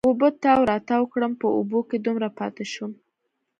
اوبو تاو را تاو کړم، په اوبو کې دومره پاتې شوم.